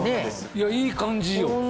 いやいい感じよ！